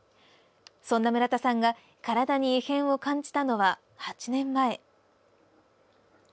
そんな村田さんが体に異変を感じたのは、８年前。